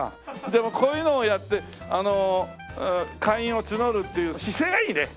でもこういうのをやって会員を募るっていう姿勢がいいね。